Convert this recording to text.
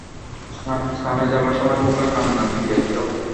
স্নানে যাইবার সময় খোকা কান্না জুড়িয়া দিল।